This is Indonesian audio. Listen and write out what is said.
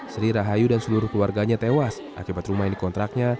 sri rahayu dan seluruh keluarganya tewas akibat rumah yang dikontraknya